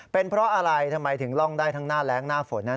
เป็นเพราะอะไรทำไมถึงล่องได้ทั้งหน้าแรงหน้าฝนนั้น